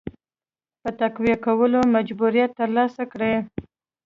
په تقویه کولو محبوبیت ترلاسه کړي.